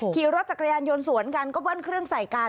ขี่รถจักรยานยนต์สวนกันก็เบิ้ลเครื่องใส่กัน